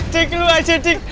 dek lu aja dek